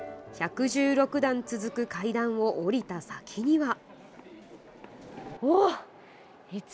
１１６段続く階段を下りた先には。